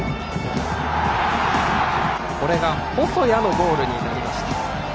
これが細谷のゴールになりました。